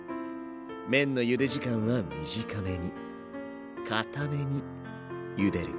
麺のゆで時間は短めにかためにゆでること。